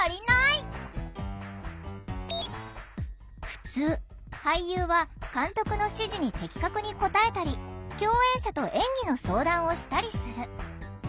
ふつう俳優は監督の指示に的確に応えたり共演者と演技の相談をしたりする。